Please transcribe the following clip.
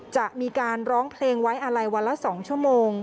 จะมีการร้องเพลงไว้อะไรวันละ๒ชั่วโมง